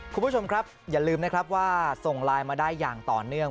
คุณผู้ชมครับอย่าลืมนะครับว่าส่งไลน์มาได้อย่างต่อเนื่อง